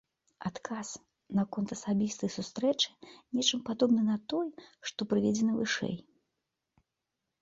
Адказ наконт асабістай сустрэчы нечым падобны на той, што прыведзены вышэй.